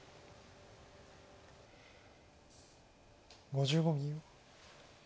５５秒。